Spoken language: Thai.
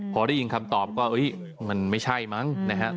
พอได้ยินคำตอบก็มันไม่ใช่มั้งนะครับ